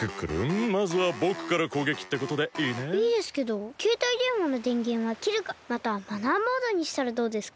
いいですけどけいたいでんわのでんげんはきるかまたはマナーモードにしたらどうですか？